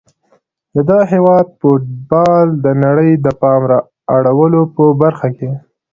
د دغه هیواد فوتبال ته د نړۍ د پام اړولو په برخه کې